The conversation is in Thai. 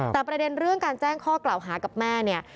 แต่ประเด็นเรื่องการแจ้งข้อกล่าวหากับแม่เนี่ย